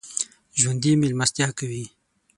ژوندي مېلمستیا کوي